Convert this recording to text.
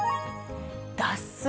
脱水。